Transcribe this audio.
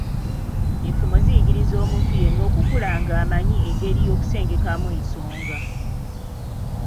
Enfumo ziyigiriza omuntu yenna okukula ng’amanyi engeri y’okusengekemu ensonga.